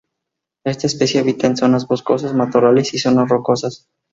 Esta especie habita en zonas boscosas, matorrales y zonas rocosas.